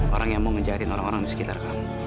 orang yang mau ngejatin orang orang di sekitar kamu